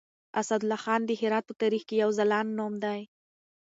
اسدالله خان د هرات په تاريخ کې يو ځلاند نوم دی.